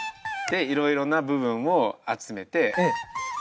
でいろいろな部分を集めて。